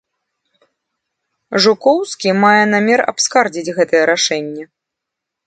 Жукоўскі мае намер абскардзіць гэтае рашэнне.